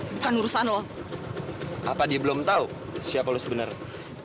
gak tau siapa lo sebenernya